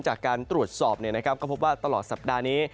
จากการตรวจสอบก็พบว่าตลอดสัปดาห์นี้